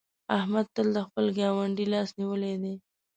احمد تل د خپل ګاونډي لاس نيولی دی.